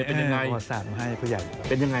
พระวาสที่ไปของเรือที่ยังไง